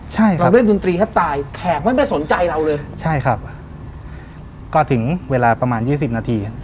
ใช่เราเล่นดนตรีแทบตายแขกไม่สนใจเราเลยใช่ครับก็ถึงเวลาประมาณยี่สิบนาที